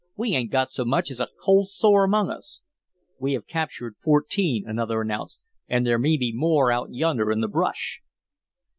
We 'ain't got so much as a cold sore among us." "We have captured fourteen," another announced, "and there may be more out yonder in the brush."